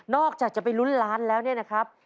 จากจะไปลุ้นล้านแล้วเนี่ยนะครับ